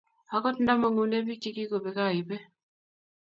agot nda mangune biik chegikobeek aibe